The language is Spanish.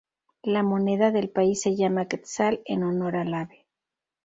La moneda del país se llama quetzal en honor al ave.